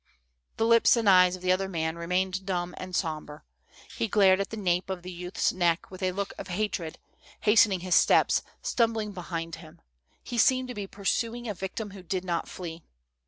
"The lips and eyes of the other man remained dumb and sombre. He glared at the nape of the youth's neck with a look of hatred, hastening liis steps, stumbling behind him. ne seemed to be pursuing a victim who did not flee.